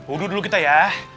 udah dulu kita ya